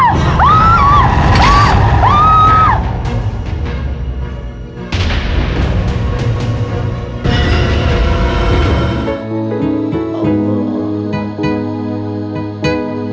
assalamualaikum warahmatullahi wabarakatuh